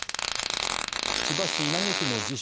千葉市稲毛区の自称